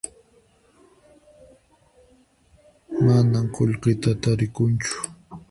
Manan qullqi tarikunchu